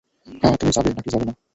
হ্যাঁ, তুমি যাবে নাকি যাবে না?